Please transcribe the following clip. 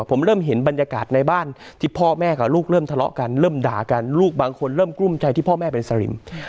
ผมเริ่มเห็นบรรยากาศในบ้านที่พ่อแม่กับลูกเริ่มทะเลาะกันเริ่มด่ากันลูกบางคนเริ่มกลุ้มใจที่พ่อแม่เป็นสลิม